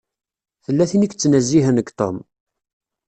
Tella tin i yettnezzihen deg Tom.